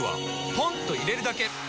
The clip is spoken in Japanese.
ポンと入れるだけ！